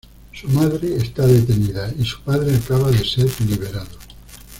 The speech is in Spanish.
Su madre está detenida y su padre acaba de ser liberado.